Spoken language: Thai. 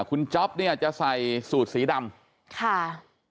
คุณจ๊อปเนี่ยจะใส่สูตรสีดำค่ะ